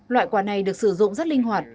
loại quả này được sử dụng rất linh hoạt